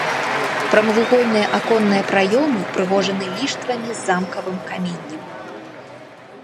Прамавугольныя аконныя праёмы упрыгожаны ліштвамі з замкавым каменем.